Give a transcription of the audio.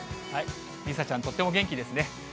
梨紗ちゃん、とっても元気ですね。